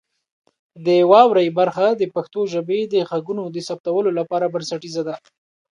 د واورئ برخه د پښتو ژبې د غږونو د ثبتولو لپاره بنسټیزه ده.